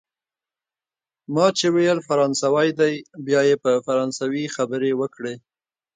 ما چي ویل فرانسوی دی، بیا یې په فرانسوي خبرې وکړې.